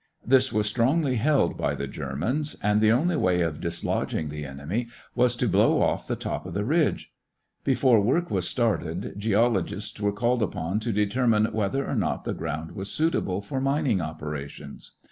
This was strongly held by the Germans and the only way of dislodging the enemy was to blow off the top of the ridge. Before work was started, geologists were called upon to determine whether or not the ground were suitable for mining operations.